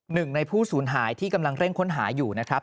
หนึ่งในผู้สูญหายที่กำลังเร่งค้นหาอยู่นะครับ